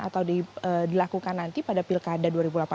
atau dilakukan nanti pada pilkada dua ribu delapan belas